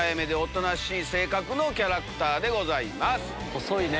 細いね。